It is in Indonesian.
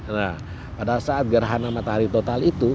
nah pada saat gerhana matahari total itu